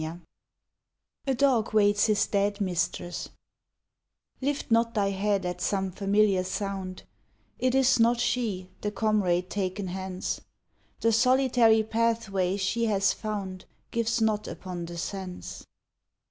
29 A DOG WAITS HIS DEAD MISTRESS Lift not thy head at some familiar sound : It is not she, the comrade taken hence. The solitary pathway she has found Gives not upon the sense.